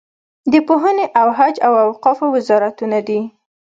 د پوهنې او حج او اوقافو وزارتونه دي.